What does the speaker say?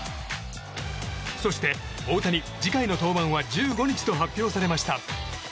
そして、大谷、次回の登板は１５日と発表されました。